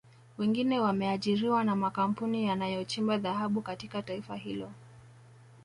Wengine wameajiriwa na makampuni yanayochimba dhahabu katika taifa hilo